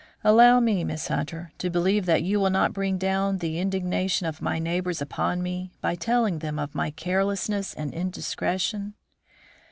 "Allow me, Miss Hunter, to believe that you will not bring down the indignation of my neighbors upon me by telling them of my carelessness and indiscretion."